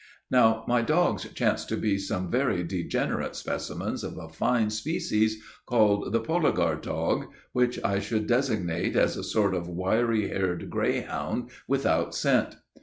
Now, my dogs chanced to be some very degenerate specimens of a fine species, called the Poligar dog, which I should designate as a sort of wiry haired grayhound, without scent.